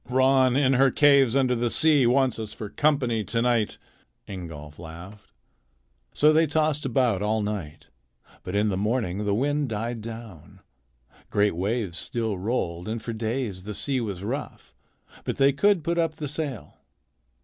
"Ran, in her caves under sea, wants us for company to night," Ingolf laughed. So they tossed about all night, but in the morning the wind died down. Great waves still rolled, and for days the sea was rough, but they could put up the sail.